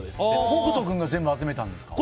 北斗君が全部集めたんですか？